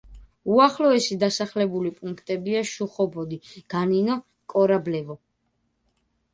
უახლოესი დასახლებული პუნქტებია: შუხობოდი, განინო, კორაბლევო.